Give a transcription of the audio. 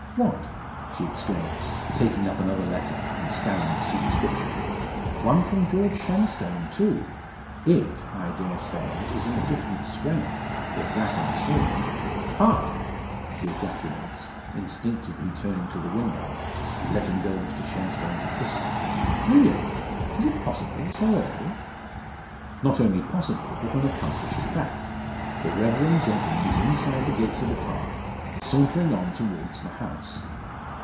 What!" she exclaims, taking up another letter, and scanning the superscription. "One from George Shenstone, too! It, I dare say, is in a different strain, if that I saw Ha!" she ejaculates, instinctively turning to the window, and letting go Mr Shenstone's epistle, "William! Is it possible so early?" Not only possible, but an accomplished fact. The reverend gentleman is inside the gates of the park, sauntering on towards the house.